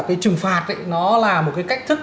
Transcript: cái trừng phạt ấy nó là một cái cách thức